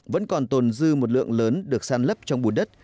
vẫn còn tồn dư một lượng lớn được săn lấp trong bùn đất